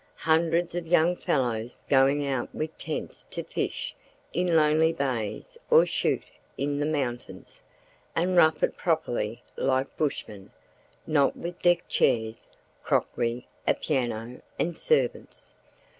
Hundreds of young fellows going out with tents to fish in lonely bays or shoot in the mountains, and rough it properly like bushmen—not with deck chairs, crockery, a piano and servants.